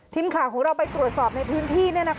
ทีมข่าวของเราไปตรวจสอบในพื้นที่